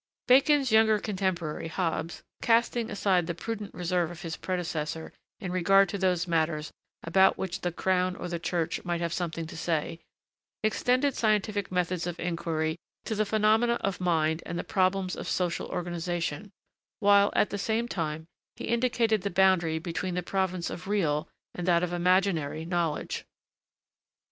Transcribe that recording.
] Bacon's younger contemporary, Hobbes, casting aside the prudent reserve of his predecessor in regard to those matters about which the Crown or the Church might have something to say, extended scientific methods of inquiry to the phenomena of mind and the problems of social organisation; while, at the same time, he indicated the boundary between the province of real, and that of imaginary, knowledge.